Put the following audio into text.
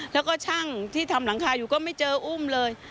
แล้วก็ช่างที่ทำหลังคาอยู่ก็ไม่เจออุ้มเลย